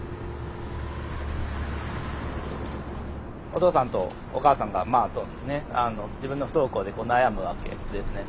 お父さんとお母さんが自分の不登校で悩むわけですね。